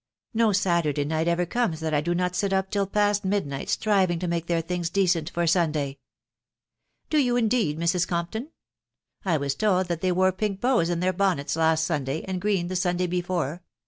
..• No Saturday night ever comes that J do not sit up till past midnight striving to make their things decent for Sunday !"" Do you indeed, Mrs. Compton ?.... I was told that they wore pink bows in their bonnets last Sunday, and green the Sunday before